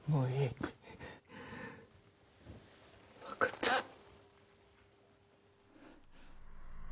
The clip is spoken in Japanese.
分かった。